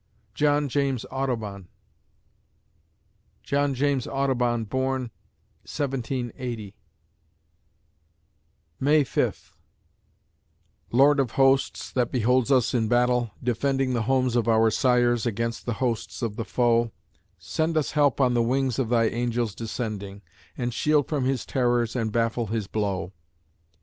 JOHN JAMES AUDUBON John James Audubon born, 1780 May Fifth Lord of Hosts, that beholds us in battle, defending The homes of our sires 'gainst the hosts of the foe, Send us help on the wings of thy angels descending, And shield from his terrors and baffle his blow.